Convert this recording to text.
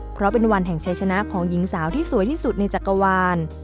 เพราะเป็นวันแห่งชัยชนะของหญิงสาวที่สวยที่สุดในจักรวาล